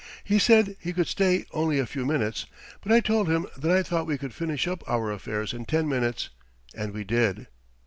He said he could stay only a few minutes, but I told him that I thought we could finish up our affairs in ten minutes and we did.